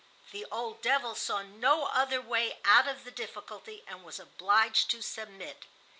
The old devil saw no other way out of the difficulty and was obliged to submit.